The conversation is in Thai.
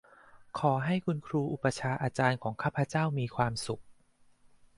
ขอให้ครูอุปัชฌาย์อาจารย์ของข้าพเจ้ามีความสุข